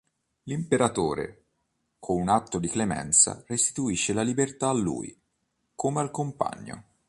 L'imperatore, con un atto di clemenza, restituisce la libertà a lui, come al compagno.